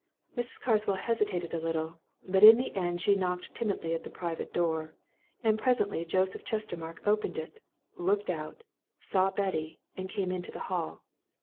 Mrs. Carswell hesitated a little, but in the end she knocked timidly at the private door. And presently Joseph Chestermarke opened it, looked out, saw Betty, and came into the hall.